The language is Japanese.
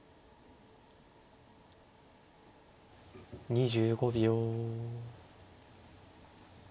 ２５秒。